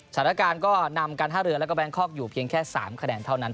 สถานการณ์ก็นำการท่าเรือแล้วก็แบงคอกอยู่เพียงแค่๓คะแนนเท่านั้น